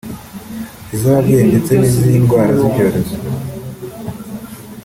iz’ababyeyi ndetse n’indwara z’ibyorezo